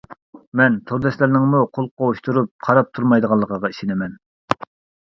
مەن تورداشلارنىڭمۇ قول قوشتۇرۇپ قاراپ تۇرمايدىغانلىقىغا ئىشىنىمەن!